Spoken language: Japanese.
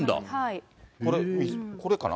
これ、これかな。